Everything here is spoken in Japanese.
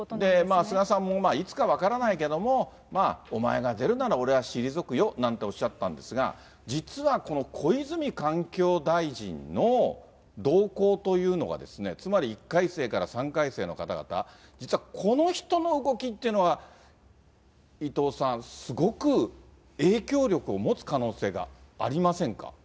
菅さんもいつか分からないけども、お前が出るなら、俺は退くよなんておっしゃったんですが、実はこの小泉環境大臣の動向というのが、つまり１回生から３回生の方々、実はこの人の動きというのは、伊藤さん、すごく影響力を持つ可能性がありませんか。